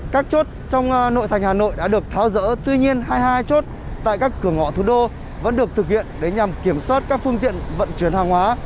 các chốt trong nội thành hà nội đã được tháo rỡ tuy nhiên hai mươi hai chốt tại các cửa ngõ thủ đô vẫn được thực hiện để nhằm kiểm soát các phương tiện vận chuyển hàng hóa